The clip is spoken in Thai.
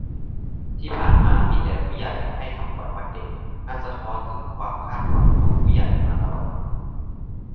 ที่ผ่านมา มีแต่ 'ผู้ใหญ่' ให้คำขวัญวันเด็ก อันสะท้อนถึงความคาดหวังของ 'ผู้ใหญ่' มาตลอด